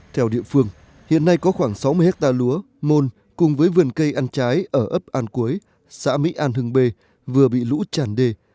theo địa phương hiện nay có khoảng sáu mươi hectare lúa môn cùng với vườn cây ăn trái ở ấp an cúi xã mỹ an hưng bê vừa bị lũ tràn đê